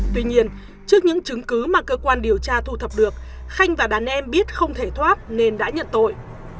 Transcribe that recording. tuy nhiên trước những chứng cứ mà cơ quan điều tra thu thập được khanh và đàn em biết không thể thoát nên đã nhận tội